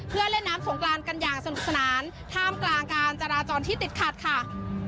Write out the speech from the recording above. เพื่อเล่นน้ำสงกรานกันอย่างสนุกสนานท่ามกลางการจราจรที่ติดขัดค่ะ